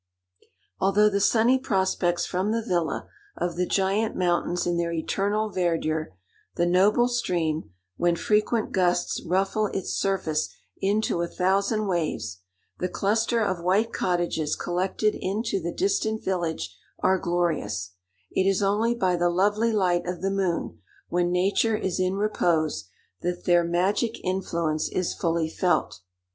Although the sunny prospects from the villa, of the giant mountains in their eternal verdure—the noble stream, when frequent gusts ruffle its surface into a thousand waves—the cluster of white cottages collected into the distant village, are glorious; it is only by the lovely light of the moon, when nature is in repose, that their magic influence is fully felt.